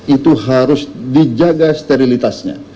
itu harus dijaga sterilitasnya